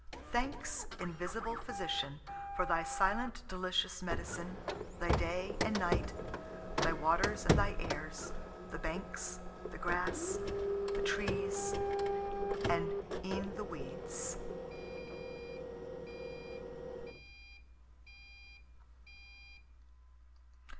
Thanks, invisible physician, for thy silent delicious medicine, thy day and night, thy waters and thy airs, the banks, the grass, the trees, and e'en the weeds!